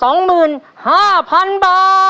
ขอบคุณครับ